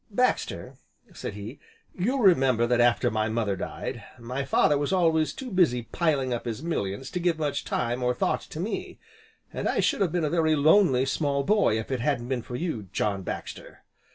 "Baxter," said he, "you'll remember that after my mother died, my father was always too busy piling up his millions to give much time or thought to me, and I should have been a very lonely small boy if it hadn't been for you, John Baxter.